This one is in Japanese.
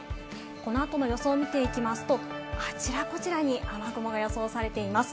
この後の予想を見ていきますと、あちらこちらに雨雲が予想されています。